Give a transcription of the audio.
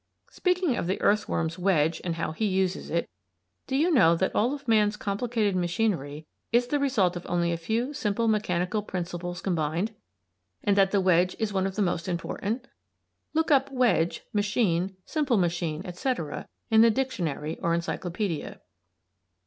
Speaking of the earthworm's wedge and how he uses it, do you know that all of man's complicated machinery is the result of only a few simple mechanical principles combined; and that the wedge is one of the most important? Look up "wedge," "machine," "simple machine," etc., in the dictionary or encyclopædia.